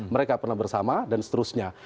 mereka pernah bersama dan seterusnya